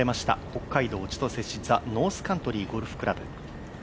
北海道千歳市、ザ・ノースカントリーゴルフクラブ。